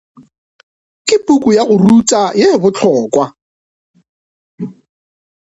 Ke puku ya go tura ye bohlokwa.